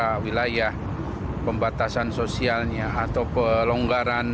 bagaimana wilayah pembatasan sosialnya atau pelonggaran